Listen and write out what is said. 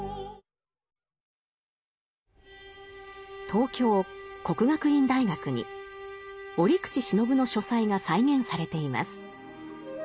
東京・國學院大學に折口信夫の書斎が再現されています。